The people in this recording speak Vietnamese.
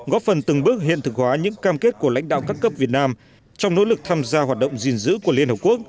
góp phần từng bước hiện thực hóa những cam kết của lãnh đạo các cấp việt nam trong nỗ lực tham gia hoạt động gìn giữ của liên hợp quốc